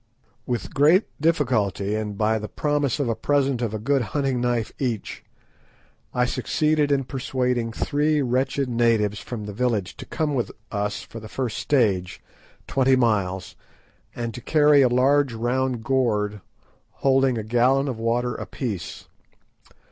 With great difficulty, and by the promise of a present of a good hunting knife each, I succeeded in persuading three wretched natives from the village to come with us for the first stage, twenty miles, and to carry a large gourd holding a gallon of water apiece.